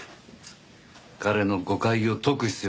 彼の誤解を解く必要があるんだよ。